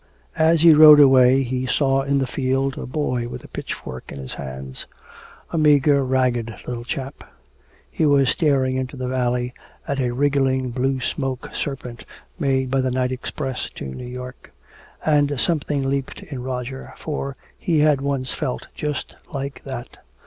As he rode away he saw in the field a boy with a pitchfork in his hands, a meager ragged little chap. He was staring into the valley at a wriggling, blue smoke serpent made by the night express to New York. And something leaped in Roger, for he had once felt just like that!